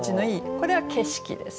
これは景色です。